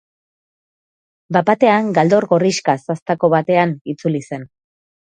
Bat-batean galdor gorrixka zastako batean itzuli zen.